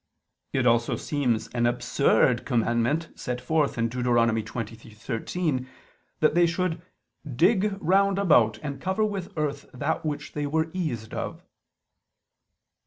It also seems an absurd commandment set forth in Deut. 23:13, that they should "dig round about and ... cover with earth that which they were eased of."